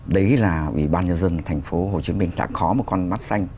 đấy là vì ban nhân dân thành phố hồ chí minh đã có một con mắt xanh